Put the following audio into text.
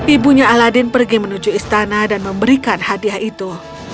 ibunya aladin pergi menuju istana dan memberikan hadiah itu